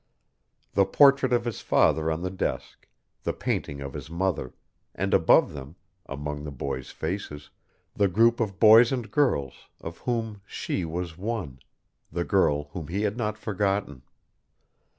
The portrait of his father on the desk, the painting of his mother, and above them, among the boys' faces, the group of boys and girls of whom she was one, the girl whom he had not forgotten.